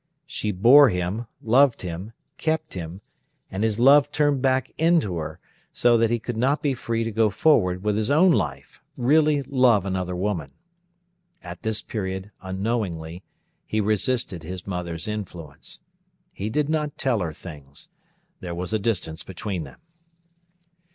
She bore him, loved him, kept him, and his love turned back into her, so that he could not be free to go forward with his own life, really love another woman. At this period, unknowingly, he resisted his mother's influence. He did not tell her things; there was a distance between them.